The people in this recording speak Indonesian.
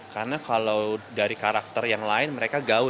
karena kalau dari karakter yang lain kita tidak mau menciptakan sebuah kostum